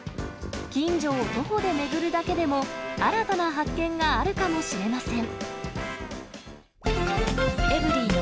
近所を徒歩で巡るだけでも、新たな発見があるかもしれません。